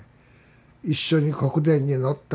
一緒に国電に乗った。